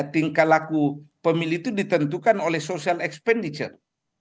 tingkah laku pemilih itu ditentukan oleh social expenditure